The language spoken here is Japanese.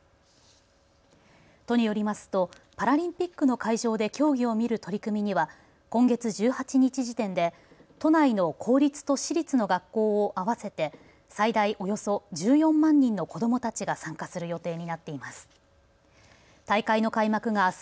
都によりますとパラリンピックの会場で競技を見る取り組みには今月１８日時点で都内の公立と私立の学校を合わせて最大およそ１４万人の子どもたちが参加する予定になっています。